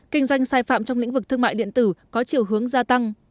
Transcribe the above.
kinh doanh sai phạm trong lĩnh vực thương mại điện tử có chiều hướng gia tăng